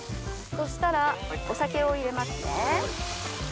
そしたらお酒を入れますね。